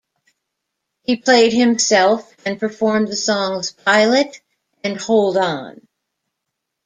He played himself and performed the songs, "Pilot" and "Hold On".